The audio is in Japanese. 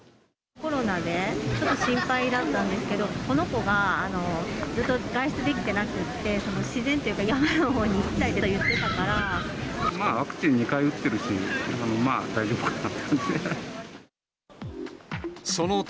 コロナでちょっと心配だったんですけど、この子がずっと外出できてなくて、自然というか、山のほうに行きたまあ、ワクチン２回打ってるし、まあ大丈夫かなと。